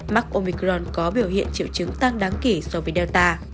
mắc omicron có biểu hiện triệu chứng tăng đáng kể so với delta